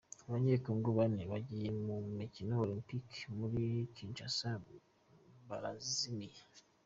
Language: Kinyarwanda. Abanyekongo Bane bagiye mu mikino ya Olempike Muri Kinshasa barazimiye